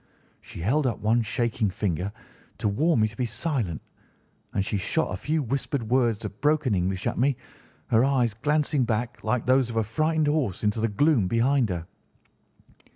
She held up one shaking finger to warn me to be silent, and she shot a few whispered words of broken English at me, her eyes glancing back, like those of a frightened horse, into the gloom behind her.